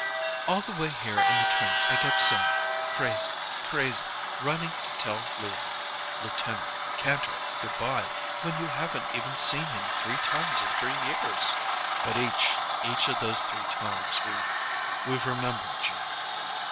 "All the way here in the train I kept saying, 'Crazy crazy running to tell Leon Lieutenant Kantor good by when you haven't even seen him three times in three years '" "But each each of those three times we we've remembered, Gina."